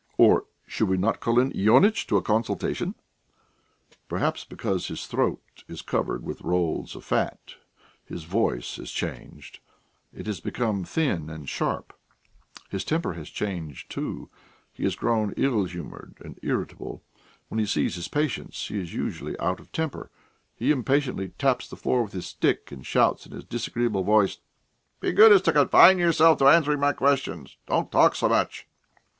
or "Should not we call in Ionitch to a consultation?" Probably because his throat is covered with rolls of fat, his voice has changed; it has become thin and sharp. His temper has changed, too: he has grown ill humoured and irritable. When he sees his patients he is usually out of temper; he impatiently taps the floor with his stick, and shouts in his disagreeable voice: "Be so good as to confine yourself to answering my questions! Don't talk so much!"